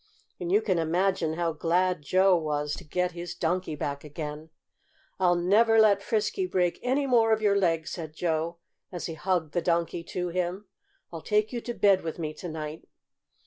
And you can imagine how glad Joe was to get his Donkey back again. "I'll never let Frisky break any more of your legs," said Joe, as he hugged the Donkey to him. "I'll take you to bed with me to night."